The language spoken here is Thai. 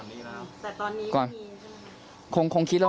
แต่ตอนนี้ไม่มีใช่มั้ย